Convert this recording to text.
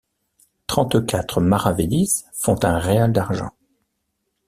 Trente-quatre maravédis font un réal d'argent.